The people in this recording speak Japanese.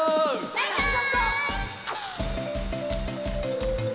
バイバーイ！